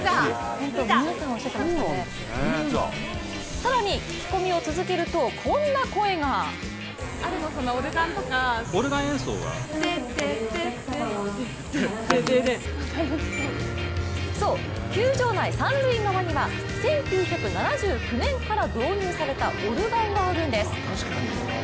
更に聞き込みを続けるとこんな声が。そう、球場内三塁側には１９７９年から導入されたオルガンがあるんです。